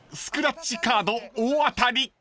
［スクラッチカード大当たり！］